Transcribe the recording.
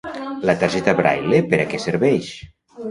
La targeta Braile per a què serveix?